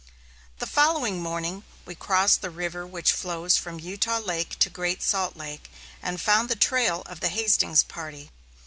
The following morning, we crossed the river which flows from Utah Lake to Great Salt Lake and found the trail of the Hastings party.